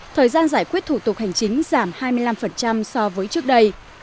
thời gian giải quyết thủ tục hành chính giảm hai mươi năm so với trước đây